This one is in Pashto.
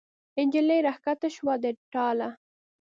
نجلۍ را کښته شوه د ټاله